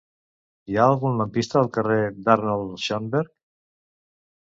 Hi ha algun lampista al carrer d'Arnold Schönberg?